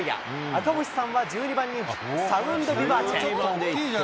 赤星さんは１２番人気、サウンドビバーチェ。